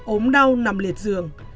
ốm đau nằm liệt dường